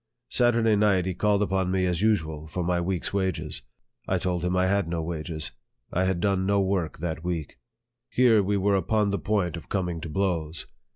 Saturday night, he called upon me as usual for my week's wages. I told him I had no wages ; I had done no work that week. Here we were upon the point of coming to blows.